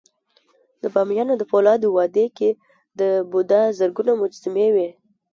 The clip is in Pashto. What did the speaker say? د بامیانو د فولادي وادي کې د بودا زرګونه مجسمې وې